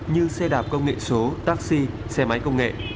như xe đạp công nghệ số taxi xe máy công nghệ